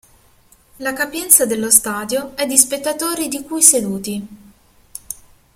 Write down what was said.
La capienza dello stadio è di spettatori di cui seduti.